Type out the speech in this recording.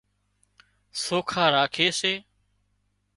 سوکا راکي سي